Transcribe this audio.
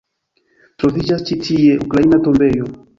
Troviĝas ĉi tie ukraina tombejo.